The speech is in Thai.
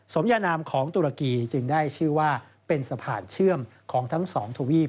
สมยานามของตุรกีจึงได้ชื่อว่าเป็นสะพานเชื่อมของทั้งสองทวีป